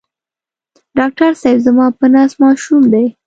ډاکټر صېب زما په نس ماشوم دی